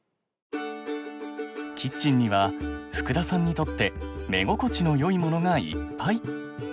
キッチンには福田さんにとって目心地のよいものがいっぱい。